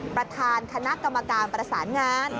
ประธานคณะกรรมการประสานงาน